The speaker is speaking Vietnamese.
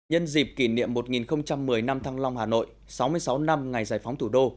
nhân dịp kỷ niệm một nghìn một mươi năm thăng long hà nội sáu mươi sáu năm ngày giải phóng thủ đô